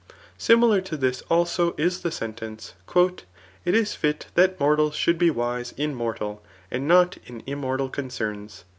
Similar to this also is the sentence, ^ It is fit that mortals should be wise in mortal, and hot in immor^ tal cohcems.'